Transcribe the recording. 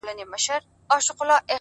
پرمختګ د ځان له پرون څخه وړاندې کېدل دي؛